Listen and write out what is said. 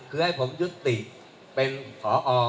คือให้ผมยุติเป็นผอ